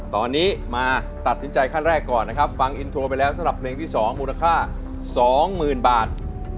ตอนนี้มาตัดสินใจขั้นแรกก่อนนะครับฟังอินโทรไปแล้วสำหรับเพลงที่๒มูลค่า๒๐๐๐บาท